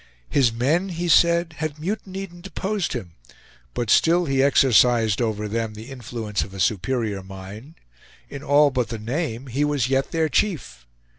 His men, he said, had mutinied and deposed him; but still he exercised over them the influence of a superior mind; in all but the name he was yet their chief.